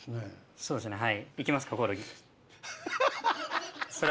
そうですねはい。